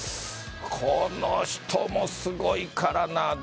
この人もすごいからな。